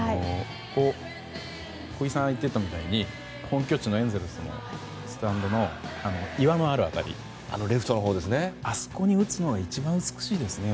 小木さんが言っていたみたいに本拠地のエンゼルスのスタンドの岩のある辺りあそこに打つのが一番美しいですよね